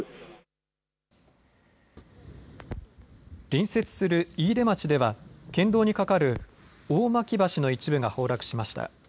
隣接する飯豊町では県道に架かる大巻橋の一部が崩落しました。